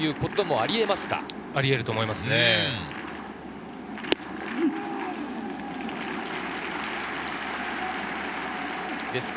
ありえると思いますね。